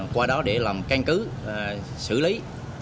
qua đó để làm căn cứ xử lý